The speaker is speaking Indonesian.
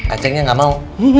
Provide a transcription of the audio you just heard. acingnya gak mau